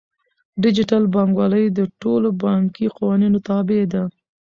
ډیجیټل بانکوالي د ټولو بانکي قوانینو تابع ده.